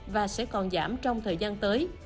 và sẽ còn giảm trong thời gian tới